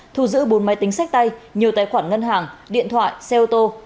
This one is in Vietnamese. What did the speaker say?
thu giữ bốn máy tính sách tay nhiều tài khoản ngân hàng điện thoại xe ô tô